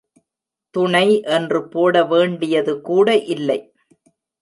துணை என்று போட வேண்டியதுகூட இல்லை.